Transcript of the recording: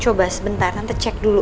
coba sebentar i bakal cek dulu